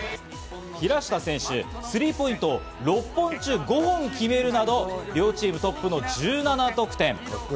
平下選手、スリーポイントを６本中５本決めるなど、両チームトップの１７得点。